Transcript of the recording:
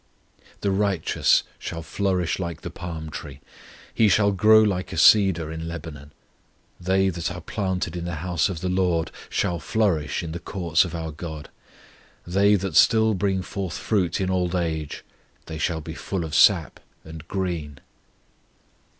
The righteous shall flourish like the palm tree: He shall grow like a cedar in Lebanon. They that are planted in the house of the LORD Shall flourish in the courts of our GOD. They shall still bring forth fruit in old age; They shall be full of sap and green.